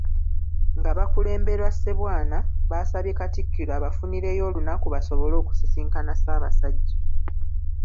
Nga bakulemberwa Ssebwana baasabye Katikkiro abafunireyo olunaku basobole okusisinkana Ssabasajja.